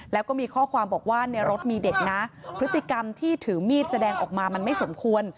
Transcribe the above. แล้วก็มีข้อความบอกว่าในรถมีเด็กนะพฤติกรรมที่ถือมีดแสดงออกมามันไม่สมควร